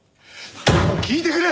聞いてくれ！